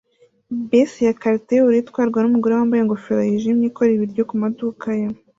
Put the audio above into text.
Bisi ya charter yubururu itwarwa numugore wambaye ingofero yijimye ikora ibiryo kumaduka ye